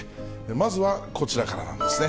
まずはこちらからなんですね。